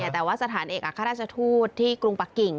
แต่ว่าสถานเอกอัครราชทูตที่กรุงปะกิ่ง